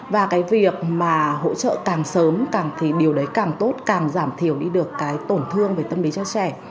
và cái việc mà hỗ trợ càng sớm càng thì điều đấy càng tốt càng giảm thiểu đi được cái tổn thương về tâm lý cho trẻ